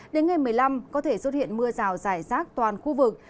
đến ngày một mươi năm có thể xuất hiện mưa rào rải rác toàn khu vực